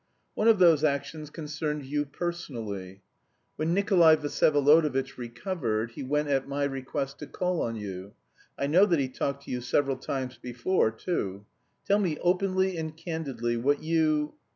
One of those actions concerned you personally. When Nikolay Vsyevolodovitch recovered he went at my request to call on you. I know that he talked to you several times before, too. Tell me openly and candidly what you...